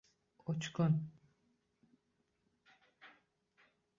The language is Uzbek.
Uch kun!